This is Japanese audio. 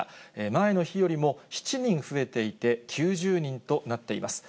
前の日よりも７人増えていて、９０人となっています。